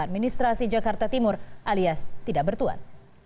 administrasi jakarta timur alias tidak bertuan